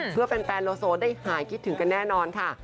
เพื่อแฟนโลโซได้หายคิดถึงกันแน่นอนค่ะ